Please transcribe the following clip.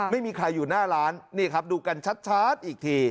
ไม่มีใครอยู่หน้าร้านนี่ครับดูกันชัดอีกที